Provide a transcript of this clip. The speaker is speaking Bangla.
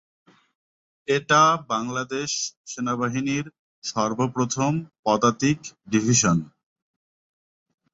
এটা বাংলাদেশ সেনাবাহিনীর সর্বপ্রথম পদাতিক ডিভিশন।